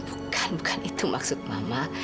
bukan bukan itu maksud mama